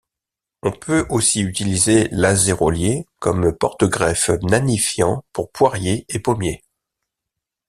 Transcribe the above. On peut aussi utiliser l'azérolier comme porte-greffe nanifiant pour poiriers et pommiers.